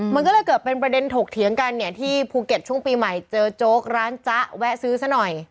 มันก็เลยเกิดเป็นประเด็นถกเถียงกันเนี่ยที่ภูเก็ตช่วงปีใหม่เจอโจ๊กร้านจ๊ะแวะซื้อซะหน่อย